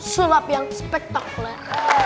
sulap yang spektakuler